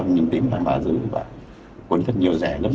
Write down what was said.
phòng mình cuối cùng